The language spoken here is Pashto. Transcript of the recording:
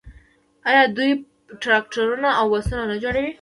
آیا دوی ټراکټورونه او بسونه نه جوړوي؟